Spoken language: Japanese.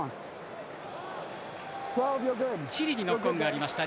チリにノックオンがありました。